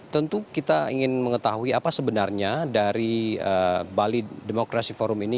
tentu kita ingin mengetahui apa sebenarnya dari bali demokrasi forum ini